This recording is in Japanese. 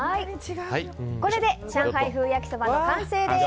上海風焼きそばの完成です。